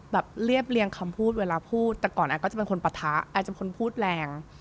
เรียบเรียงคำพูดเวลาพูดแต่ก่อนไอก็จะเป็นคนปะทะแอนจะเป็นคนพูดแรง